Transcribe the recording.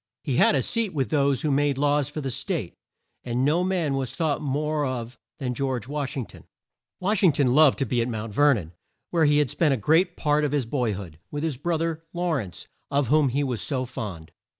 He had a seat with those who made laws for the State, and no man was thought more of than George Wash ing ton. Wash ing ton loved to be at Mount Ver non, where he had spent a great part of his boy hood, with his bro ther, Law rence, of whom he was so fond.